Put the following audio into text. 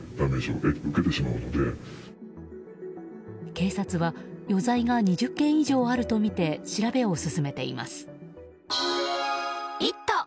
警察は、余罪が２０件以上あるとみて、調べを進めています。